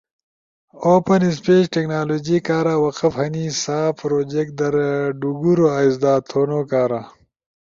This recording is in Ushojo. وپن اسپیچ ٹیکنالوجی کارا وقف ہنی۔ سا پروجیکٹ در ڈوگورو ازدا تھونوکارا